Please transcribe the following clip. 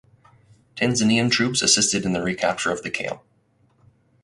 Tanzanian troops assisted in the recapture of the camp.